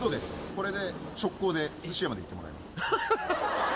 これで直行ですし屋まで行ってもらいます。